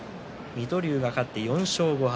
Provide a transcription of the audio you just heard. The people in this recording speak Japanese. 水戸龍が勝って４勝５敗。